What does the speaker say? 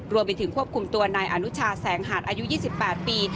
รวมถึงควบคุมตัวนายอนุชาแสงหาดอายุ๒๘ปี